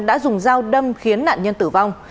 đã dùng dao đâm khiến nạn nhân tử vong